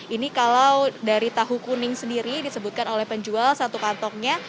ini kalau dari tahu kuning sendiri disebutkan oleh penjual satu kantongnya